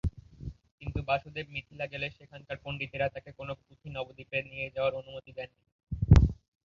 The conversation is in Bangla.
কিন্তু বাসুদেব মিথিলা গেলে, সেখানকার পণ্ডিতেরা তাকে কোনও পুঁথি নবদ্বীপে নিয়ে যাওয়ার অনুমতি দেননি।